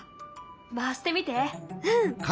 回してみて。